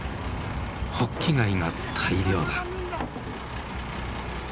ホッキ貝が大漁だ。